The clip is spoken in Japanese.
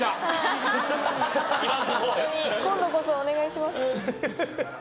本当に今度こそお願いします